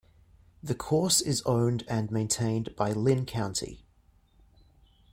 The course is owned and maintained by Linn County.